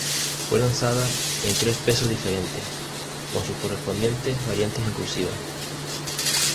Fue lanzada en tres pesos diferentes, con sus correspondientes variantes en cursiva.